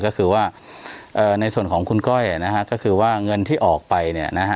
ก็คือว่าในส่วนของคุณก้อยนะฮะก็คือว่าเงินที่ออกไปเนี่ยนะฮะ